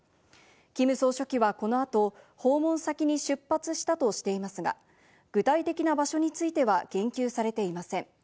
キム総書記はこの後、訪問先に出発したとしていますが、具体的な場所については言及されていません。